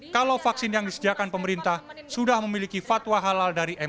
kalau vaksin yang disediakan oleh warga lain tidak akan memusikkan soal halal dan haram